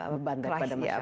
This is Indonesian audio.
beban daripada masyarakat